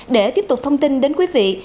để tiếp tục thông tin đến quý vị